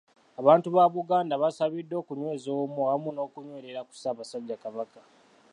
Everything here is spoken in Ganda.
Abantu ba Buganda basabiddwa okunyweza obumu awamu n’okunywerera ku Ssaabasajja Kabaka.